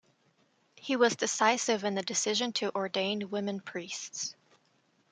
He was decisive in the decision to ordain women priests.